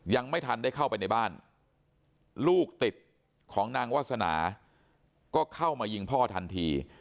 ยังไม่ทันได้เข้าไปในบ้านลูกติดของนางวาสนาก็เข้ามายิงพ่อทันที